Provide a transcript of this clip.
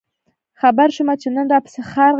خبـــــر شومه چې نن راپســـې ښار غـــــږېده؟